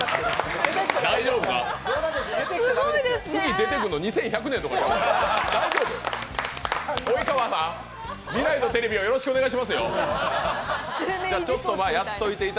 次出てくるの２１００年とかじゃない？